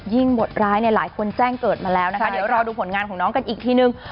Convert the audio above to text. บทร้ายเนี่ยหลายคนแจ้งเกิดมาแล้วนะคะเดี๋ยวรอดูผลงานของน้องกันอีกทีนึง